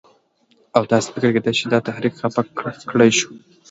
او داسې فکر کېده چې دا تحریک خفه کړی شو.